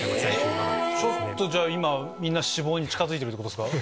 ちょっとじゃあ今みんな死亡に近づいてるってことですか